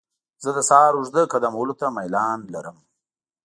زه د سهار اوږده قدم وهلو ته میلان لرم.